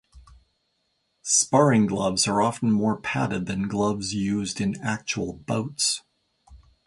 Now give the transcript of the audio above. Sparring gloves are often more padded than gloves used in actual bouts.